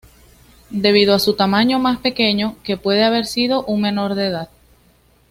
Debido a su tamaño más pequeño, que puede haber sido un menor de edad.